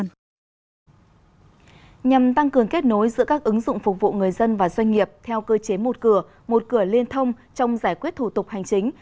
nhằm tăng cường kết nối giữa các ứng dụng phục vụ người dân và doanh nghiệp theo cơ chế một cửa một cửa liên thông trong giải quyết thủ tục hành chính